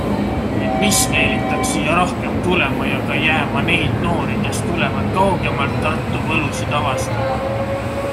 Kuid mis meelitaks siia rohkem tulema ja ka jääma neid noori, kes tulevad kaugemalt Tartu võlusid avastama?